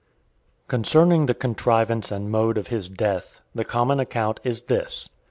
XVII. Concerning the contrivance and mode of his death, the common account is this.